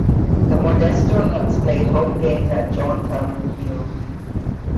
The Modesto Nuts play home games at John Thurman Field.